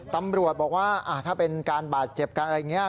ตำรวจบอกว่าถ้าเป็นการบาดเจ็บกันอะไรอย่างนี้